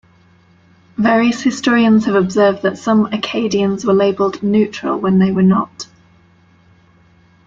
Various historians have observed that some Acadians were labelled "neutral" when they were not.